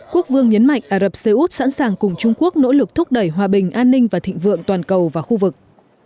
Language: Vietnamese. quốc vương nhấn mạnh ả rập xê út sẵn sàng cùng trung quốc nỗ lực thúc đẩy hòa bình an ninh và thịnh vượng toàn cầu và khu vực